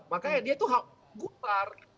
makanya dia tuh gusar